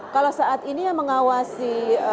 kalau saat ini yang mengawasi